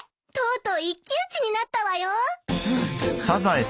とうとう一騎打ちになったわよ。